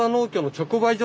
直売所。